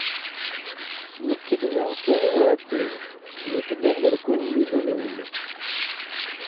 Nekk lhiɣ kan i uɛebbi, nekk d amerkub n udrum.